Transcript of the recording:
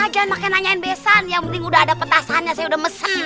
jangan makin nanyain beesan yang penting udah ada petasannya saya udah mesen